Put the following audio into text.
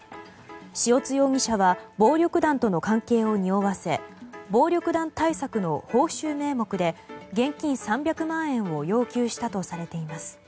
塩津容疑者は暴力団との関係をにおわせ暴力団対策の報酬名目で現金３００万円を要求したとされています。